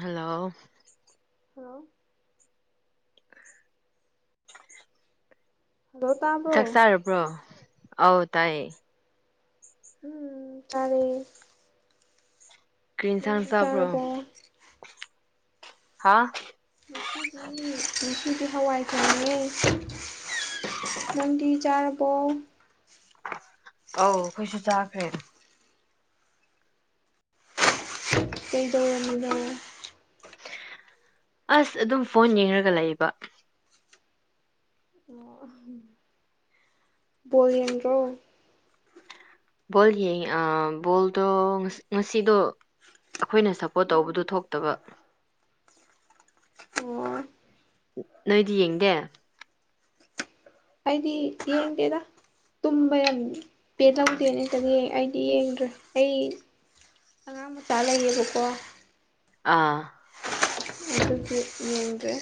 Hello hello hello ꯇꯥꯕ꯭ꯔꯣ ꯆꯥꯛ ꯆꯥꯔꯕ꯭ꯔꯣ ꯑꯧ ꯇꯥꯏꯌꯦ ꯎꯝ ꯇꯔꯦ ꯀ꯭ꯔꯤꯟꯁ ꯆꯕ꯭ꯔꯣ ꯍꯥꯥ ꯃ ꯁꯤꯗꯤ ꯍꯋꯥꯏ ꯊꯦꯡꯉꯦ ꯅꯟꯗꯤ ꯆꯥꯔꯕꯣ ꯑꯧ ꯑꯩꯈꯣꯏꯁꯨ ꯆꯥꯈ꯭ꯔꯦꯅ ꯀꯩꯗꯗ ꯑꯁ ꯑꯗꯨꯝ ꯐꯣꯟ ꯌꯦꯡꯉꯒ ꯂꯩꯕ ꯑꯣꯜꯂꯤꯅꯤ ꯀ꯭ꯔꯣ ꯕꯣꯜ ꯌꯦꯡ ꯑ ꯕꯣꯜꯗꯣ ꯉꯁꯤꯗꯣ ꯑꯩꯈꯣꯏꯅ ꯁꯞꯄꯣꯔꯠ ꯎꯝ ꯇꯧꯕꯗꯨ ꯊꯣꯛꯇꯕ ꯑꯣ ꯅꯣꯏꯗꯤ ꯌꯦꯒ ꯑꯩꯗꯤ ꯌꯦꯟ ꯀꯦꯗ ꯇꯨꯝꯕ ꯌꯥꯝ ꯄꯦꯂꯝꯧꯗꯦ ꯅꯇꯗꯤ ꯑꯩꯗꯤ ꯌꯦꯡꯗ꯭ꯔꯦ ꯑꯩ ꯁꯉꯥꯡꯕꯨ ꯆꯥꯂꯦꯒꯦꯒꯀ ꯑꯥ ꯑꯗꯨ ꯆ ꯌꯦꯒꯦ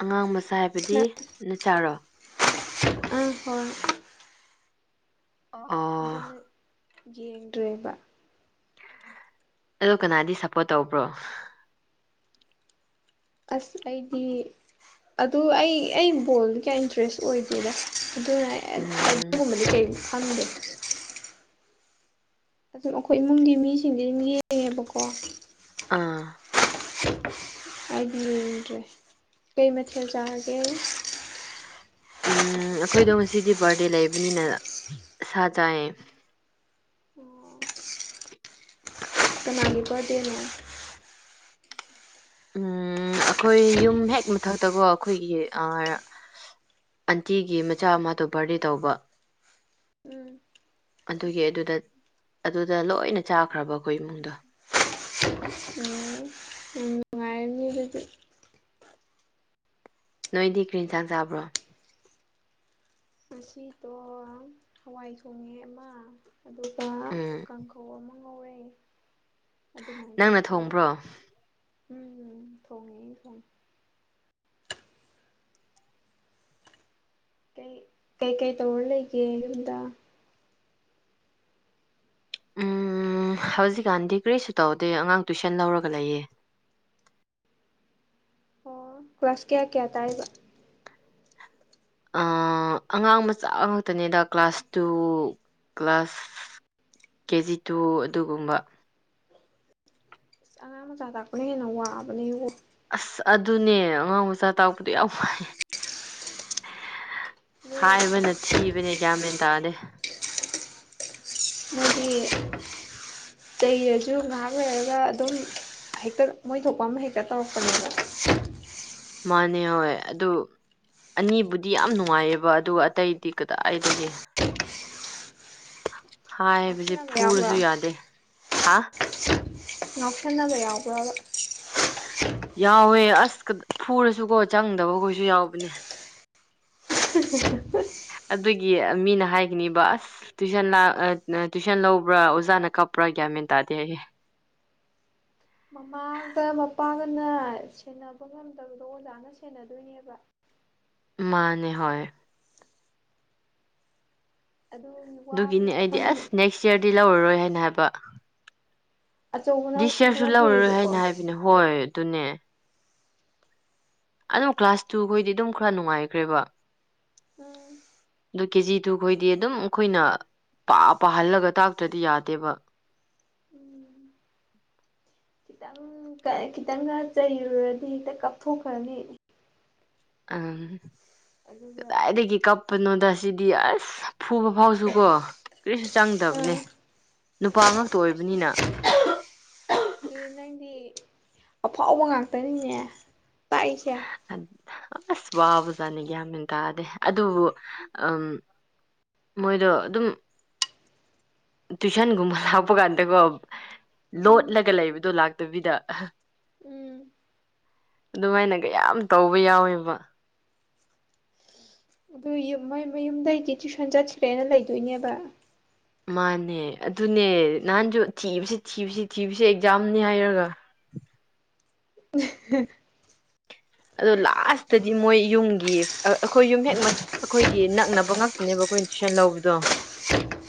ꯑꯉꯥꯡ ꯃꯆꯥ ꯍꯥꯏꯕꯗꯤ ꯅꯆꯥꯔꯣ ꯑ ꯍꯣꯏ ꯑꯣ ꯑꯗꯨꯅꯦ ꯌꯦꯡꯗꯔ꯭ꯤꯕꯥ ꯑꯗꯣ ꯀꯅꯥꯗꯤ ꯁꯞꯄꯣꯔꯠ ꯇꯧꯕ꯭ꯔꯣ ꯑꯁ ꯑꯩꯗꯤ ꯑꯗꯨ ꯑꯩ ꯑꯩ ꯕꯣꯜꯗꯤ ꯀꯌꯥ ꯏꯟꯇꯔꯦꯁ ꯑꯣꯏꯗꯦꯗ ꯑꯗꯨꯅ ꯎꯝ ꯑꯗꯨꯒꯨꯝꯕꯗꯤ ꯀꯔꯤ ꯈꯪꯗꯦ ꯑꯗꯨꯝ ꯑꯩꯈꯣꯏ ꯏꯃꯨꯡꯒꯤ ꯃꯤꯁꯤꯡꯗꯤ ꯑꯗꯨꯝ ꯌꯦꯡꯉꯦꯕꯀꯣ ꯑꯥ ꯍꯥꯏꯗꯤ ꯌꯦꯡꯗ꯭ꯔꯦ ꯀꯩ ꯃꯊꯦꯜ ꯆꯥꯒꯦ ꯎꯝ ꯑꯩꯈꯣꯏꯗꯣ ꯉꯁꯤꯗꯤ ꯕꯥꯔꯗꯦ ꯂꯩꯕꯅꯤꯅ ꯁꯥ ꯆꯥꯏꯌꯦ ꯂꯉꯕꯗꯅꯣ ꯎꯝ ꯑꯩꯈꯣꯏ ꯌꯨꯝ ꯍꯦꯛ ꯃꯊꯛꯇꯀꯣ ꯑꯩꯈꯣꯏꯒꯤ ꯑꯟꯇꯤꯒꯤ ꯃꯆꯥ ꯑꯃꯗꯨꯣ ꯕꯥꯔꯗꯦ ꯇꯧꯕ ꯎꯝ ꯑꯗꯨꯒꯤ ꯑꯗꯨꯗ ꯑꯗꯨꯗ ꯂꯣꯏꯅ ꯆꯥꯈ꯭ꯔꯕ ꯑꯩꯈꯣꯏ ꯏꯃꯨꯡꯗꯣ ꯎꯝ ꯌꯥꯝ ꯅꯨꯡꯉꯥꯏꯔꯅꯤ ꯑꯗꯨꯗꯤ ꯅꯣꯏꯗꯤ ꯀꯔꯤ ꯌꯦꯟꯁꯥꯡ ꯆꯥꯕ꯭ꯔꯣ ꯉꯁꯤꯗꯣ ꯍꯋꯥꯏ ꯊꯣꯡꯉꯦ ꯑꯃ ꯑꯗꯨꯒ ꯎꯝ ꯀꯥꯡꯈꯧ ꯑꯃ ꯉꯧꯔꯦ ꯅꯪꯅ ꯊꯣꯡꯕ꯭ꯔꯣ ꯎꯝ ꯎꯝ ꯊꯣꯡꯉꯤ ꯊꯣꯡꯉꯤ ꯀꯩ ꯀꯩꯀꯩ ꯇꯧꯔ ꯂꯩꯒꯦ ꯌꯨꯝꯗ ꯎꯝ ꯍꯧꯖꯤꯛꯀꯥꯟꯗꯤ ꯀꯔꯤꯁꯨ ꯇꯧꯗꯦ ꯑꯉꯥꯡ ꯇꯨꯏꯁꯟ ꯂꯧꯔꯒ ꯂꯩꯌꯦ [inaudible] ꯑꯣ ꯀ꯭ꯂꯋꯥꯥꯁ ꯀꯌꯥ ꯀꯌꯥ ꯇꯥꯏꯕ ꯑꯥ ꯑꯉꯥꯡ ꯃꯆꯥ ꯉꯥꯛꯇꯅꯤꯗ class two class KG two ꯑꯗꯨꯒꯨꯝꯕ ꯑꯉꯥꯡ ꯑꯃꯆꯥꯗꯈꯅ ꯍꯅ ꯋꯥ ꯑꯁ ꯑꯗꯨꯅꯦ ꯑꯉꯥꯡ ꯃꯆꯥ ꯇꯥꯛꯄꯗꯨ ꯌꯥꯝ ꯋꯥꯏ ꯍꯥꯏꯕꯅ ꯊꯤꯕꯅꯦ ꯒ꯭ꯌꯥꯟ ꯃꯦꯟ ꯇꯥꯗꯦ ꯃꯣꯏꯒꯤ ꯇꯩꯔꯁꯨ ꯉꯥꯏꯍꯥ ꯑꯣꯏꯔꯒ ꯑꯗꯨꯝ ꯍꯦꯛꯇ ꯃꯣꯏ ꯊꯣꯛꯄ ꯑꯃ ꯍꯦꯛꯇ ꯇꯧꯔꯛꯄꯅꯦꯕ ꯃꯥꯅꯦ ꯍꯣꯏ ꯑꯗꯨ ꯑꯅꯤꯕꯨꯗꯤ ꯌꯥꯝ ꯅꯨꯡꯉꯥꯏꯑꯕ ꯑꯗꯨꯒ ꯑꯇꯩꯗꯤ ꯀꯗꯥꯏꯒꯦ ꯍꯥꯏꯕꯁꯦ ꯉꯥꯎꯁꯟꯅꯕ ꯌꯥꯎꯕ꯭ꯔꯥ ꯐꯨꯔꯁꯨ ꯌꯥꯗꯦ ꯍꯥ ꯉꯥꯛꯊꯟꯅꯕ ꯌꯥꯎꯕ꯭ꯔ ꯌꯥꯎꯋꯦ ꯑꯁ ꯐꯨꯔꯁꯨꯀꯣ ꯆꯪꯗꯕꯈꯣꯏꯁꯨ ꯌꯥꯎꯕꯅꯦ [unintelligible] ꯑꯗꯨꯒꯤ ꯃꯤꯅ ꯍꯥꯏꯈꯤꯅꯤꯕ ꯑꯁ ꯇꯨꯏꯁꯟ ꯇꯨꯏꯁꯟ ꯂꯧꯕ꯭ꯔꯥ ꯑꯣꯖꯥꯅ ꯀꯞꯄ꯭ꯔꯥ ꯀꯌꯥꯃꯤ ꯇꯥꯗꯦ ꯃꯃꯥꯒ ꯃꯄꯥꯒꯅ ꯁꯦꯟꯅꯕ ꯉꯝꯗꯕꯗꯣ ꯑꯣꯖꯥꯅ ꯁꯦꯟꯅꯗꯣꯏꯅꯦꯕ ꯃꯥꯅꯦ ꯍꯣꯏ꯫ ꯑꯗꯨꯒꯤ ꯑꯗꯨꯒꯤꯅꯤ ꯋꯥꯕꯗꯣ ꯑꯩꯗꯤ ꯈꯪ ꯑꯁ ꯅꯦꯛꯁ ꯏꯌꯥꯔꯗꯤ ꯂꯧꯔꯔꯣꯏ ꯍꯥꯏꯅ ꯍꯥꯏꯕ꯫ ꯑꯆꯧꯕꯅ ꯗꯤꯁ ꯑꯃꯨꯛ ꯁꯤꯌꯥꯔꯁꯨ ꯈꯔ ꯂꯧꯔꯔꯣꯏ ꯐꯩꯌꯦꯕꯀꯣ ꯍꯥꯏꯅ ꯍꯥꯏꯕꯅꯦ ꯍꯣꯏ ꯑꯗꯨꯅꯦ꯫ ꯑꯗꯨꯝ ꯀ꯭ꯂꯥꯁ ꯇꯨ ꯈꯣꯏꯗꯤ ꯑꯗꯨꯝ ꯈꯔ ꯅꯨꯡꯉꯥꯏꯈ꯭ꯔꯦꯕ꯫ ꯎꯝ꯫ ꯀꯦꯖꯤꯗꯨꯨꯈꯣꯏꯗꯤ ꯑꯗꯨꯝ ꯈꯣꯏꯅ ꯄꯥꯍꯜꯂꯒ ꯇꯥꯛꯇ꯭ꯔꯗꯤ ꯌꯥꯗꯦꯕ꯫ ꯫ ꯎꯝ [unintelligible] ꯈꯤꯇꯪ ꯈꯤꯇꯪꯒ ꯆꯩꯔꯨꯔꯗꯤ ꯍꯦꯛꯇ ꯀꯥꯞꯊꯣꯛꯈ꯭ꯔꯅꯤ꯫ ꯑꯝ ꯑꯗꯨꯒ ꯀꯗꯥꯏꯗꯒꯤ ꯀꯞꯄꯅꯣꯗꯁꯤꯗꯤ ꯑꯁ꯫ ꯐꯨꯕ ꯐꯥꯎꯁꯨ ꯀꯣ ꯀꯔꯤꯁꯨ ꯑ ꯆꯪꯗꯕꯅꯦ꯫ ꯅꯨꯄꯥ ꯉꯥꯛꯇ ꯑꯣꯏꯕꯅꯤꯅ꯫ ꯑꯗꯨꯅꯤ ꯅꯪꯗꯤ꯫ ꯑꯐꯥꯎꯕ ꯉꯥꯛꯇꯅꯤꯅꯦ꯫ ꯇꯥꯛꯏꯁꯦ ꯑ ꯑꯁ ꯋꯥꯕꯖꯥꯠꯅꯤ꯫ ꯌꯥꯝꯃ‌ꯦꯟ ꯇꯥꯗꯦ ꯑꯗꯨꯕꯨ ꯎꯝ ꯃꯣꯏꯗꯣ ꯑꯗꯨꯝ꯫ ꯇꯨꯏꯁꯟꯒꯨꯝꯕ ꯂꯥꯛꯄ ꫰ꯀꯥꯟꯗꯀꯣ꯫ ꯎꯝ ꯂꯣꯠꯂꯒ ꯂꯩꯕꯗꯣ ꯂꯥꯛꯇꯕꯤꯗ꯫ ꯎꯝ ꯑꯗꯨꯃꯥꯏꯅ ꯀꯌꯥꯝ ꯇꯧꯕ ꯌꯥꯎꯋꯦꯕ꯫ ꯑꯗꯨꯏ ꯌꯨꯝ ꯃꫭꯏ ꯃꯌꯨꯝꯗꯗꯤ ꯇꯨꯏꯁꯟ ꯆꯠꯈ꯭ꯔꯦꯅ ꯂꯩꯗꯣꯏꯅꯦꯕ꯫ ꯃꯥꯅꯦ ꯑꯗꯨꯅꯦ ꯅꯍꯥꯟꯁꯨ ꯊꯤꯕꯁꯤ ꯊꯤꯕꯁꯤ ꯊꯤꯕꯁꯤ ꯑꯦꯛꯖꯥꯝꯅꯤ ꯍꯥꯏꯔꯒ꯫ ꯫ ꯏ ꯍꯝ꯫ ꯑꯗꯣ ꯂꯥꯁꯇꯗꯤ ꯃꯣꯏ ꯌꯨꯝꯒꯤ ꯑꯈꯣꯏ ꯌꯨꯝ ꯍꯦꯛ ꯑꯈꯣꯏꯒꯤ ꯅꯛꯅꯕ ꯉꯛꯇꯅꯦꯕ꯫ ꯈꫭꯏꯅ ꯇꯨꯏꯁꯟ ꯂꯧꯕꯗꯣ꯫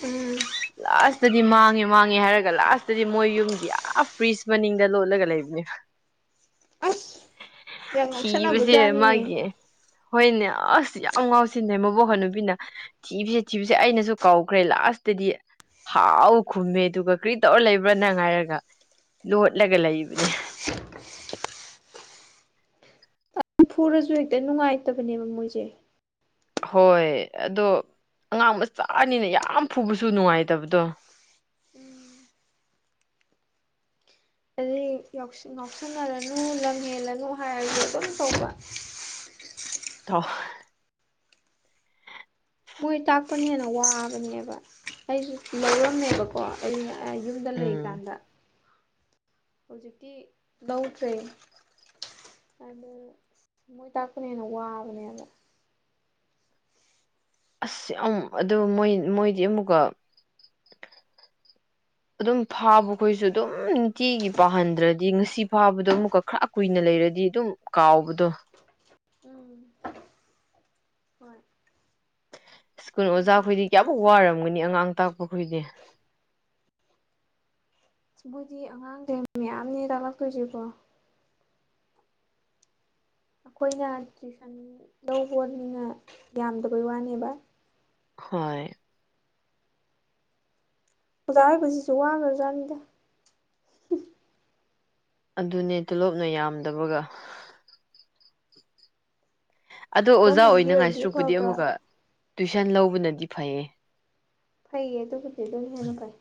ꯎꯝ ꯂꯥꯁꯇꯗꯤ ꯃꯥꯡꯉꯦ ꯃꯥꯡꯉꯦ ꯍꯥꯏꯔꯒ ꯂꯥꯁꯇꯗꯤ ꯃꯣꯏ ꯌꯨꯝꯒꯤ ꯑꯥ ꯐ꯭ꯔꯤꯖ ꯃꯅꯤꯡꯗ ꯂꯣꯠꯂꯒ ꯂꯩꯕꯅꯦꯕ꯫ ꯫ ꯑꯁ꯫ ꯌꯥꯝ ꯊꯤꯕꯁꯦ ꯉꯥꯎꯁꯟꯅꯕꯖꯥꯠꯅꯤꯅꯦ ꯃꯥꯒꯤ꯫ ꯍꯣꯏꯅꯦ ꯑꯁ ꯌꯥꯝ ꯉꯥꯎꯁꯤꯟꯅꯩ ꯃꯕꯣꯛ ꯍꯅꯨꯨꯕꯤꯅ ꯊꯤꯕꯁꯤ ꯊꯤꯕꯁ ꯑꯩꯅꯁꯨ ꯀꯧꯈ꯭ꯔꯦ ꯂꯥꯁ꯫ ꯇꯗꯤ ꯍꯥꯎ ꯈꯨꯝꯃꯦ ꯑꯗꯨꯒ ꯀꯔꯤ ꯇꯧꯔ ꯂꯩꯕ꯭ꯔꯥ ꯅꯪ ꯍꯥꯏꯔꯒ꯫ ꯂꯣꯠꯂꯒ ꯂꯩꯕꯅꯦ ꯫ ꯐꯨꯔꯁꯨ ꯍꯦꯛꯇ ꯅꯨꯡꯉꯥꯏꯇꯕꯅꯦꯕ ꯃꯣꯏꯖ‌ꯦ꯫ ꯍꯣꯏ ꯑꯗꯣ ꯑꯉꯥꯡ ꯃꯆꯥꯅꯤꯅ ꯌꯥꯝ ꯐꯨꯕꯁꯨ ꯅꯨꯡꯉꯥꯏꯇꯕꯗꯣ꯫ ꯫ ꯎꯝ꯫ ꯑꯗꯩ ꯌꯥꯎꯁꯟꯅꯔꯅꯨ ꯂꯝ ꯍꯦꯜꯂꯅꯨ ꯍꯥꯏꯔꯁꯨ ꯑꯗꯨꯝ ꯇꯧꯕ꯫ ꯇꯥꯎ꯫ ꯃꯣꯏ ꯇꯥꯛꯄ ꯍ‌ꯦꯟꯅ ꯋꯥꯕꯥ ꯑꯩꯁꯨ ꯂꯧꯔꯝꯃꯦꯕꯀꯣ ꯑꯗꯨꯅ꯫ ꯑ ꯌꯨꯝꯗ‌ ꯂꯩ ꯎꯝ ꯀꯥꯗ꯫ ꯍꯧꯖꯤꯛꯇꯤ ꯂꯧꯗ꯭ꯔꯦ꯫ ꯑꯗꯨ ꯃꯣꯏ ꯇꯥꯛꯄꯅ ꯍ‌ꯦꯟꯅ ꯋꯥꯕꯅꯦꯕ꯫ ꯑꯁ ꯌꯥꯝ ꯑꯗꯨ ꯃꫭꯏ ꯃꯣꯏꯗꯤ ꯑꯃꯨꯛꯀ꯫ ꯑꯗꯨꯝ ꯐꯥꯕꯈꯣꯏꯁꯨ ꯑꯗꯨꯝ ꯅꯨꯡꯇꯤꯒꯤ ꯄꯥꯍꯟꯗ꯭ꯔꯗꯤ ꯉꯁꯤ ꯐꯥꯕꯗꯣ ꯑꯃꯨꯛꯀ ꯈꯔ ꯀꯨꯏꯅ ꯂꯩ꯫ ꯂꯩꯔꯗꯤ ꯑꯗꯨꯝ ꯀꯥꯎꯕꯗꯣ꯫ ꯎꯝ ꯍꯣꯏ꯫ ꯁ꯭ꯀꯨꯜ ꯃꯣꯏꯒꯤ ꯑꯣꯖꯥꯈꯣꯏꯗꯤ ꯀꯌꯥꯃꯨꯛ ꯋꯥꯔꯝꯒꯅꯤ ꯑꯉꯥꯡ ꯇꯥꯛꯄ ꯈꯣꯏꯗꯤ꯫ ꯕꯨꯗꯤ ꯑꯉꯥꯡ ꯃꯌꯥꯝꯅꯦ ꯇꯥꯛꯂꯛꯇꯣꯏꯁꯤꯕꯣ꯫ ꯑꯩꯈꯣꯏꯅ ꯇꯨꯏꯁꯟ ꯂꯧꯕꯅꯤꯅ ꯌꯥꯝꯗꯕꯩ ꯋꯥꯅꯦꯕ꯫ ꯍꯣꯏ꯫ ꯑꯣꯖꯥ ꯍꯥꯏꯕꯁꯤꯁꯨ ꯋꯥꯒ꯭ꯔꯥꯖꯥꯠꯅꯤꯗ꯫ ꯑꯗꯨꯅꯦ ꯇꯣꯂꯣꯞꯅ ꯌꯥꯝꯗꯕꯒ ꯑꯗꯣ ꯑꯣꯖꯥ ꯒꯣꯔꯃꯦꯟꯒꯤ ꯑꯣꯏꯅ ꯑꯣꯏꯗꯤ ꯉꯥꯏꯁꯤꯇ꯭ꯔꯨꯄꯨꯗꯤ ꯐꯕ ꯑꯃꯨꯛꯀ ꯇꯨꯏꯁꯟ ꯂꯧꯕꯅꯗꯤ ꯐꯩꯌꯦ ꯐꯩꯌꯦ ꯑꯗꯨꯒꯕꯨꯗꯤ ꯑꯗꯨ ꯍꯦꯟꯅ ꯐꯥꯏ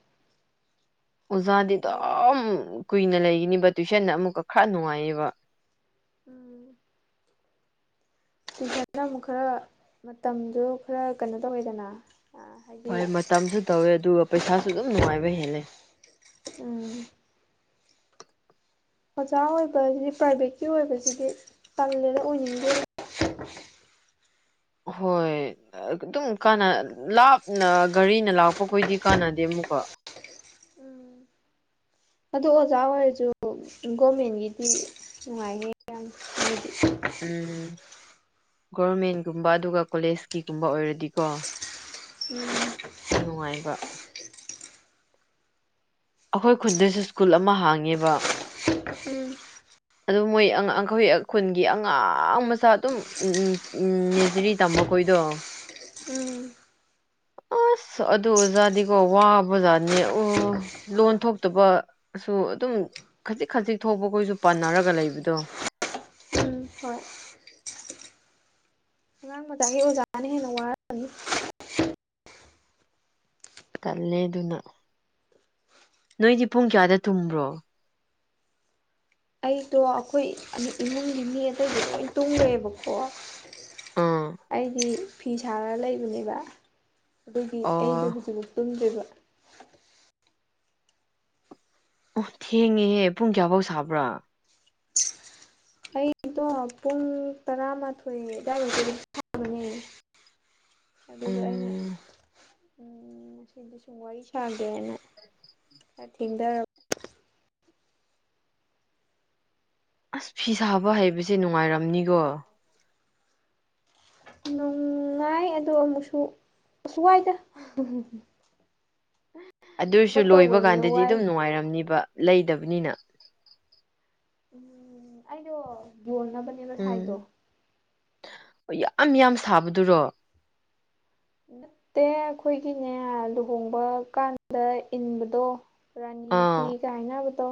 ꯑꯣꯖꯥꯗꯤ ꯑꯗꯨ ꯀꯨꯏꯅ ꯂꯩꯒꯅꯤꯕ ꯇꯨꯏꯁꯟꯗ ꯑꯃꯨꯛꯀ ꯈꯔ ꯅꯨꯡꯉꯥꯏꯌꯦꯕ ꯎꯝ ꯇꯨꯏꯁꯟꯅ ꯑꯃꯨꯛ ꯈꯔ ꯃꯇꯝꯁꯨ ꯈꯔ ꯀꯩꯅꯣ ꯇꯧꯋꯦꯗꯅ ꯍꯥꯏꯗꯤ ꯍꯣꯏ ꯃꯇꯝꯁꯨ ꯇꯧꯋꯦ ꯑꯗꯨꯒ ꯄꯩꯁꯥꯁꯨ ꯑꯗꯨꯝ ꯅꯨꯡꯉꯥꯏꯕ ꯍꯦꯜꯂꯦ ꯎꯝ ꯑꯣꯖꯥ ꯑꯣꯏꯕꯕꯁꯤꯗꯤ ꯄ꯭ꯔꯥꯏꯚꯦꯠꯀꯤ ꯑꯣꯏꯕꯁꯤꯗꯤ ꯇꯥꯡꯂꯦꯅ ꯑꯣꯏꯅꯤꯡꯗꯦ [unintelligible] ꯍꯣꯏ ꯑꯗꯨꯝ ꯀ ꯂꯥꯞꯅ ꯒꯥꯔꯤꯅ ꯂꯥꯛꯄꯈꯣꯏꯗꯤ ꯀꯥꯟꯅꯗꯦ ꯑꯃꯨꯛꯀꯣ [unintelligible] ꯎꯝ ꯑꯗꯣ ꯑꯣꯖꯥ ꯑꯣꯏꯔꯁꯨ ꯒꯣꯔꯃꯦꯟꯒꯤꯗꯤ ꯅꯨꯡꯉꯥꯏꯅꯤ ꯌꯥꯝ ꯎꯝ ꯎ ꯒꯣꯚꯔꯃꯦꯟꯒꯨꯝꯕ ꯑꯗꯨꯒ ꯀꯣꯂꯦꯁꯀꯤꯒꯨꯝꯕ ꯑꯣꯏꯔꯗꯤꯀꯣ ꯎꯝ ꯌꯥꯝ ꯅꯨꯡꯉꯥꯏꯕ ꯑꯩꯈꯣꯏ ꯈꯨꯟꯗꯩꯁꯨ ꯁ꯭ꯀꯨꯜ ꯑꯃ ꯍꯥꯡꯉꯦꯕ ꯎꯝ ꯑꯗꯨꯝ ꯃꯣꯏꯥꯡ ꯑꯩꯈꯣꯏ ꯈꯨꯟꯒꯤ ꯑꯉꯥꯡ ꯃꯆꯥ ꯑꯗꯨꯝ ꯅꯦꯖꯔꯤ ꯇꯝꯃ ꯑꯣ ꯀꯣꯏꯗꯣ ꯎꯝ [unintelligible] ꯑꯁ ꯑꯗꯨ ꯑꯣꯖꯥꯗꯤꯀꯣ ꯋꯥꯕꯖꯥꯠꯅꯦ ꯑꯣ ꯂꯣꯟ ꯊꯣꯛꯇꯕꯁꯨ ꯑꯗꯨꯝ ꯈꯖꯤꯛ ꯈꯖꯤꯛ ꯊꯣꯛꯄꯈꯣꯏꯁꯨ ꯄꯟꯅꯔꯒ ꯂꯩꯕꯗꯣ ꯎꯝ ꯍꯣꯏ ꯥꯡ ꯃꯖꯥꯩ ꯑꯣꯖꯥꯅ ꯍꯟꯅ ꯀꯜꯂꯦ ꯑꯗꯨꯅ ꯅꯣꯏꯗꯤ ꯄꯨꯡ ꯀꯌꯥꯗ ꯇꯨꯝꯕ꯭ꯔꯣ ꯑꯩꯗꯣ ꯑꯩꯈꯣꯏ ꯏꯃꯨꯡꯒꯤ ꯃꯤ ꯑꯇꯩꯗꯤ ꯂꯣꯏ ꯇꯨꯡꯂꯦꯕꯀꯣ ꯑꯥ ꯑꯩꯗꯤ ꯐꯤ ꯁꯥꯔ ꯂꯩꯕꯅꯦꯕ ꯑꯗꯨꯒꯤ ꯑꯩꯗꯣ ꯑꯣ ꯍꯧꯖꯤꯛꯃꯛꯨ ꯇꯨꯝꯗ꯭ꯔꯤꯕ ꯑꯣ ꯊꯦꯡꯉꯦꯍꯦ ꯄꯨꯡ ꯀꯌꯥꯐꯧ ꯁꯥꯕ꯭ꯔꯥ ꯑꯩꯗꯣ ꯄꯨꯡ ꯇꯔꯥꯃꯥꯊꯣꯏ ꯑꯗꯨꯗꯥꯋꯥꯏꯛꯇꯕꯅꯦ [unintelligible] ꯑꯗꯨꯗ ꯑꯩꯅ ꯎꯝ ꯎ ꯃꯁꯤꯗꯤ ꯁꯨꯝ ꯋꯥꯔꯤ ꯁꯥꯒꯦ ꯍꯥꯏꯅ ꯈꯔ ꯊꯦꯡꯊꯔꯕ ꯑꯁ ꯐꯤ ꯁꯥꯕ ꯍꯩꯕꯁꯦ ꯅꯨꯡꯉꯥꯏꯔꯝꯅꯤꯀꯣ ꯅꯨꯡꯉꯥꯏ ꯑ ꯑꯃꯨꯛꯁꯨ ꯁꯋꯥꯏꯗ ꯑꯗꯨꯔꯁꯨ ꯂꯣꯏꯕ ꯀꯥꯟꯗꯗꯤ ꯋꯥꯏ ꯑꯗꯨꯝ ꯅꯨꯡꯉꯥꯏꯔꯝꯅꯤꯕ ꯂꯩꯗꯕꯅꯤꯅ ꯎꯝ ꯑꯩꯗꯣ ꯌꯣꯟꯅꯕꯅꯦꯕ ꯁꯥꯏꯗꯣ ꯑꯣ ꯌꯥꯝ ꯌꯥꯝ ꯁꯥꯕꯗꯨꯔꯣ ꯅꯠꯇꯦ ꯑꯩꯈꯣꯏꯒꯤꯅꯦ ꯂꯨꯍꯣꯡꯕ ꯀꯥꯟꯗ ꯏꯟꯕꯗꯣ ꯔꯥꯅꯤ ꯐꯤ ꯑꯥ ꯀꯥꯏꯅꯕꯇꯣ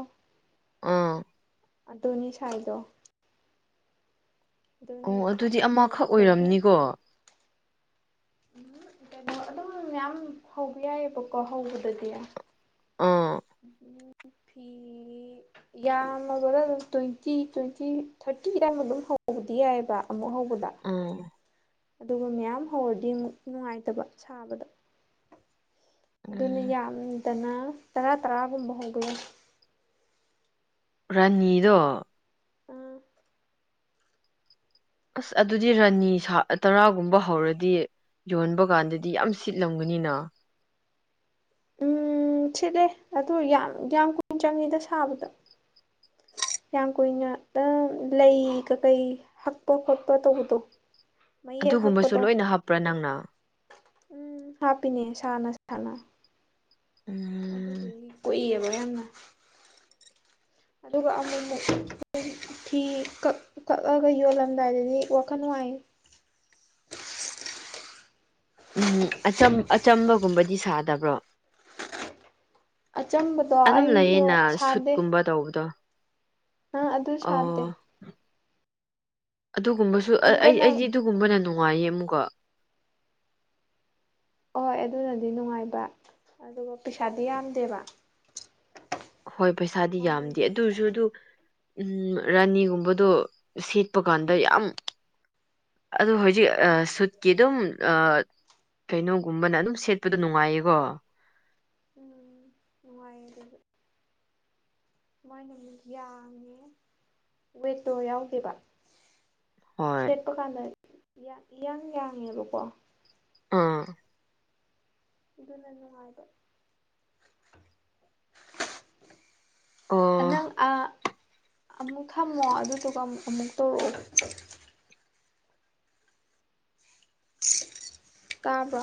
ꯑꯥ ꯑꯗꯣꯅꯤ ꯁꯥꯏꯗꯣ ꯑꯗꯨꯅ ꯑꯣ ꯑꯗꯨꯗꯤ ꯑꯃꯈꯛ ꯌꯣꯟꯕꯒꯤ ꯑꯣꯏꯔꯝꯅꯤꯀꯣ ꯀꯩꯅꯣ [unintelligible] ꯑꯗꯨꯝ ꯃꯌꯥꯝ ꯍꯧꯕ ꯌꯥꯏꯑꯕꯀꯣ ꯍꯧꯕꯗꯗꯤ ꯑꯥ ꯐꯤ ꯌꯥꯝꯃꯕꯅ ꯑꯗꯨꯝ ꯇ꯭ꯋꯦꯟꯇꯤ ꯇ꯭ꯋꯦꯟꯇꯤ ꯊꯥꯔꯇꯤꯗꯃ ꯑꯗꯨꯝ ꯍꯧ ꯍꯧꯕꯗꯤ ꯌꯥꯏꯑꯕ ꯑꯃꯨꯛ ꯍꯧꯕꯗ ꯑꯥ ꯑꯗꯨꯒ ꯃꯌꯥꯝ ꯍꯧꯔꯗꯤ ꯅꯨꯡꯉꯥꯏꯇꯕ ꯁꯥꯕꯗ ꯑꯗꯨꯅ ꯎꯝ ꯌꯥꯝꯗꯅ ꯇꯔꯥ ꯇꯔꯥꯒꯨꯝꯕ ꯍꯧꯒꯏ ꯔꯅꯤꯗꯣ ꯑꯥ ꯑꯁ ꯑꯗꯨꯗꯤ ꯔꯥꯅꯤ ꯇꯔꯥꯒꯨꯝꯕ ꯍꯧꯔꯗꯤ ꯌꯣꯟꯕ ꯀꯥꯟꯗꯗꯤ ꯌꯥꯝ ꯁꯤꯠꯂꯝꯒꯅꯤꯅ ꯎꯝ ꯁꯤꯠꯂꯦ ꯑꯗꯨ ꯌꯥꯝ ꯌꯥꯝ ꯀꯨꯏꯟ ꯆꯪꯉꯤꯗ ꯁꯥꯕꯗ ꯌꯥꯝ ꯀꯨꯏꯅ ꯑꯗꯨꯝ ꯂꯩ ꯀꯩꯀꯩ ꯍꯛꯄ ꯈꯣꯠꯄ ꯇꯧꯕꯗꯣ ꯃꯌꯦꯛ ꯑꯗꯨꯒꯨꯝꯕꯁꯨ ꯍꯛꯄꯗꯣ ꯂꯣꯏꯅ ꯍꯥꯞꯄ꯭ꯔ ꯅꯪꯅ ꯎꯝ ꯍꯥꯞꯄꯤꯅꯦ ꯁꯥꯅ ꯁꯥꯅ ꯎꯝ ꯑꯗꯨꯒꯤ ꯀꯨꯏꯌꯦꯕ [unintelligible] [inaudible] ꯑꯗꯨꯒ ꯑꯃꯨꯛꯃꯨꯛ ꯐꯤ ꯀꯛ ꯀꯛꯑꯒ ꯌꯣꯜꯂꯝꯗꯥꯏꯗꯗꯤ ꯋꯥꯈꯜ ꯅꯨꯡꯉꯥꯏ [unintelligible] ꯎꯝ ꯑꯆꯝꯕꯒꯨꯝꯕꯗꯤ ꯁꯥꯗꯕ꯭ꯔꯣ ꯑꯆꯝꯕꯗꯣ ꯑꯗꯨꯝ ꯑꯩꯗꯣ ꯂꯩꯌꯦꯅ ꯁꯨꯠꯀꯨꯝꯕ ꯇꯧꯕꯗꯣ ꯎꯝ ꯑꯗꯨ ꯁꯥꯗꯦ ꯑꯣ ꯑꯗꯨꯒꯨꯝꯕꯁꯨ ꯑꯃꯨꯛꯀ ꯑꯩ ꯅꯪ ꯑꯩꯗꯤ ꯑꯗꯨꯒꯨꯝꯕꯅ ꯅꯨꯡꯉꯥꯏꯌꯦ ꯑꯃꯨꯛꯀ ꯍꯣꯏ ꯑꯗꯨꯅꯗꯤ ꯅꯨꯡꯉꯥꯏꯕ ꯑꯗꯨꯒ ꯄꯩꯁꯥꯗꯤ ꯌꯥꯝꯗꯦꯕ ꯍꯣꯏ ꯄꯩꯁꯥꯗꯤ ꯌꯥꯝꯗꯦ ꯃꯃꯜꯗꯣ ꯑꯗꯨ ꯑꯣꯏꯔꯁꯨ ꯑꯗꯨ ꯎꯝ ꯔꯥꯅꯤꯒꯨꯝꯕꯗꯣ ꯁꯦꯠ ꯄ ꯀꯥꯟꯗ ꯎꯝ ꯌꯥꯝ ꯑꯗꯨ ꯍꯧꯖꯤꯛ ꯁꯨꯠꯀꯤ ꯑꯗꯨꯝ ꯀꯩꯅꯣꯒꯨꯝꯕꯅ ꯑꯗꯨꯝ ꯁꯦꯠꯄꯗꯣ ꯅꯨꯡꯉꯥꯏꯌꯦꯀꯣ ꯎꯝ ꯅꯨꯡꯉꯥꯏꯌꯦ ꯑꯗꯨꯖꯨ ꯃꯥꯏꯅ ꯑꯃꯨꯛ ꯌꯥꯡꯉꯦ ꯋꯦꯠꯇꯣ ꯌꯥꯎꯗꯦꯕ ꯍꯣꯏ ꯁꯦꯠꯄ ꯀꯥꯟꯗ ꯏꯌꯥꯡ ꯌꯥꯡꯉꯦꯕꯀꯣ ꯑꯥ ꯑꯗꯨꯅ ꯅꯨꯡꯉꯥꯏꯕ ꯑ ꯑꯣ ꯅꯪ ꯑ ꯑꯃꯨꯛ ꯍꯜꯂꯛꯑꯒ ꯇꯨꯀꯥꯟ ꯑꯗꯨꯗꯨꯒ ꯑꯃꯨꯛ ꯇꯧꯔꯛꯑꯣ ꯀꯥꯔꯕ꯭ꯔ